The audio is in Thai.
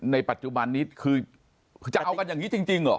ในปัจจุบันนี้คือจะเอากันอย่างนี้จริงเหรอ